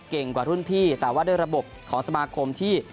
กว่ารุ่นพี่แต่ว่าด้วยระบบของสมาคมที่